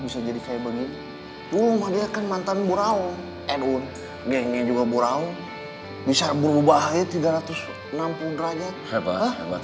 bisa jadi kayak begini dulu dia kan mantan burau edun gengnya juga burau bisa berubah tiga ratus enam puluh derajat